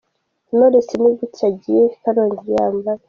Knowless ni gutya agiye i Karongi yambaye.